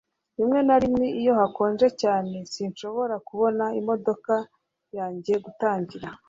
Rimwe na rimwe iyo hakonje cyane sinshobora kubona imodoka yanjye gutangira